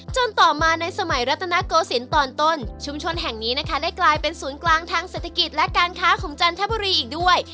ต่อมาในสมัยรัตนโกศิลป์ตอนต้นชุมชนแห่งนี้นะคะได้กลายเป็นศูนย์กลางทางเศรษฐกิจและการค้าของจันทบุรีอีกด้วย